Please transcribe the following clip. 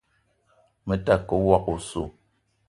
Me ta ke woko oso.